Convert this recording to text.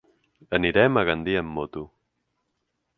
Anirem a Gandia amb moto.